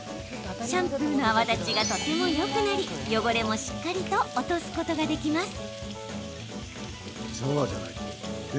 シャンプーの泡立ちがとてもよくなり、汚れもしっかりと落とすことができます。